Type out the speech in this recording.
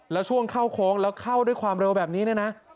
แล้วช่วงเข้าโค้งแล้วเข้าด้วยความเร็วแบบนี้เนี่ยนะ